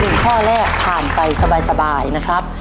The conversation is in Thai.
ข้อแรกผ่านไปสบายนะครับ